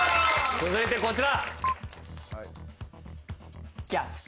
続いてこちら。